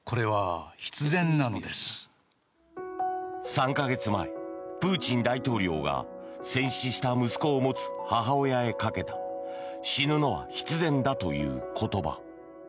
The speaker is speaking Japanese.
３か月前、プーチン大統領が戦死した息子を持つ母親へかけた死ぬのは必然だという言葉。